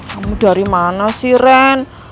kamu dari mana sih ren